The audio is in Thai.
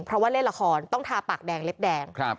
เพราะว่าเล่นละครต้องทาปากแดงเล็บแดง